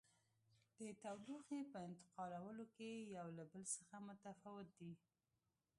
د تودوخې په انتقالولو کې یو له بل څخه متفاوت دي.